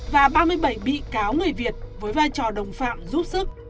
và ba mươi bảy bị cáo người việt với vai trò đồng phạm giúp sức